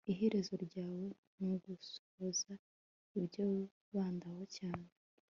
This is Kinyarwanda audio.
iherezo ryawe ni ugusohoza ibyo wibandaho cyane